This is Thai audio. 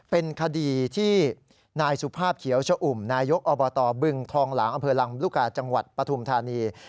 เป็นคดีที่นายสุภาพเขียวชะอุ่มนายกอบตบึงทองหลางอำเภอลำลูกกาจังหวัดปฐุมธานี